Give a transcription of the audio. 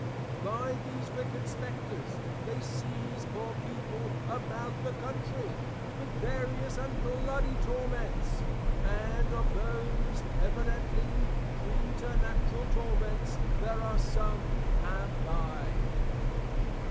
By these wicked Spectres, they seize poor people about the Country, with various & bloudy Torments; and of those evidently Preternatural torments there are some have dy'd.